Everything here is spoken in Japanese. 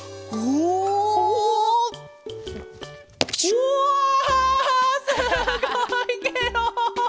うわすごいケロ！